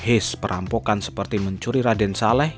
his perampokan seperti mencuri raden saleh